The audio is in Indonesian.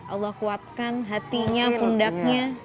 allah kuatkan hatinya pundaknya